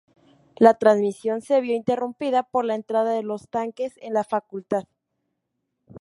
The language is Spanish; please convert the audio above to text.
La transmisión se vio interrumpida por la entrada de los tanques en la facultad.